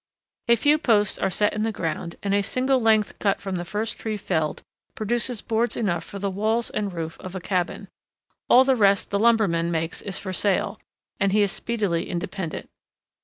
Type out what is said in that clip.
A few posts are set in the ground, and a single length cut from the first tree felled produces boards enough for the walls and roof of a cabin; all the rest the lumberman makes is for sale, and he is speedily independent.